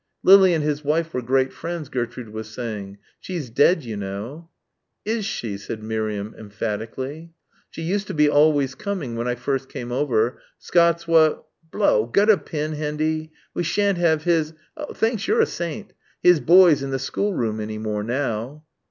"Lily and his wife were great friends," Gertrude was saying. "She's dead, you know." "Is she," said Miriam emphatically. "She used to be always coming when I first came over, Scots wha blow got a pin, Hendy?... We shan't have his ... thanks, you're a saint ... his boys in the schoolroom any more now."